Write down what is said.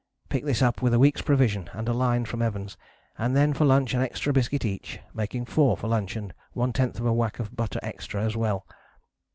Picked this up with a week's provision and a line from Evans, and then for lunch an extra biscuit each, making 4 for lunch and 1/10 whack of butter extra as well.